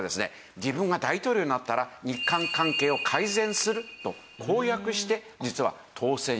自分が大統領になったら日韓関係を改善すると公約して実は当選した。